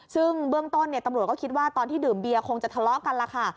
ซึ่งเบื้องต้นตำรวจก็คิดว่าตอนที่ดื่มเบียคงจะทะเลาะกันล่ะค่ะ